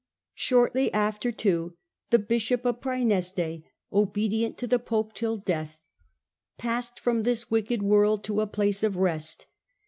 Shortly after, too, the Bishop of Praeneste, obedient to the Pope till death, passed from this wicked world to a place of rest."